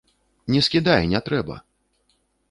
Не скідай, не трэба!